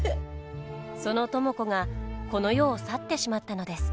その知子がこの世を去ってしまったのです。